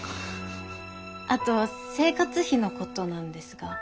あと生活費のことなんですが。